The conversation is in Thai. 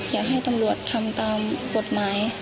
อยากให้ตำรวจทำตามกฎหมาย